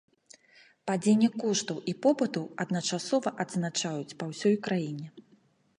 Падзенне коштаў і попыту адначасова адзначаюць па ўсёй краіне.